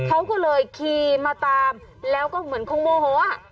เขาก็เลยขี่มาตามแล้วก็เหมือนคงโมโห